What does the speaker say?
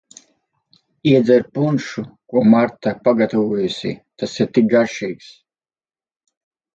Iedzer punšu, ko Marta pagatavojusi, tas ir tik garšīgs.